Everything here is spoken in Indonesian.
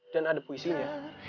dan ada puisinya